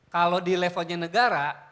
kalau di levelnya negara